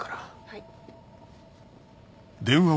はい。